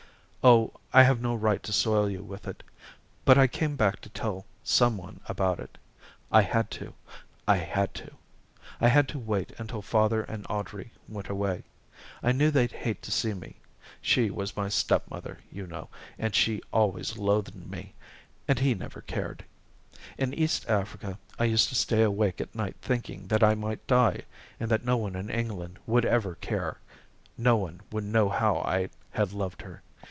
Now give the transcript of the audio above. "Oh, I have no right to soil you with it. But I came back to tell some one about it I had to, I had to. I had to wait until father and Audrey went away. I knew they'd hate to see me she was my stepmother, you know, and she always loathed me, and he never cared. In East Africa I used to stay awake at night thinking that I might die, and that no one in England would ever care no one would know how I had loved her.